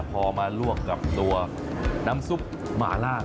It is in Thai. พอมาลวกกับตัวน้ำซุปมาล่าแล้วนะ